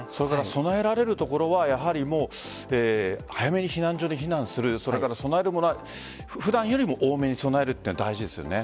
備えられるところは早めに避難所に避難する備えるものは普段よりも多めに備えることが大事ですね。